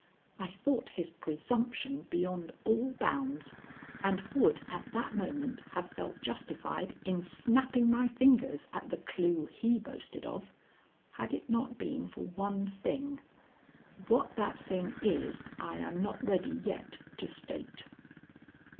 I thought his presumption beyond all bounds, and would at that moment have felt justified in snapping my fingers at the clue he boasted of, had it not been for one thing. What that thing is I am not ready yet to state.